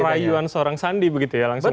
kayu kayuan seorang sandi begitu ya langsung